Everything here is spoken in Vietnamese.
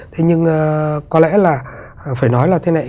thế nhưng có lẽ là phải nói là thế này